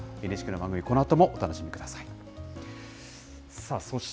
ＮＨＫの番組、このあともお楽しみください。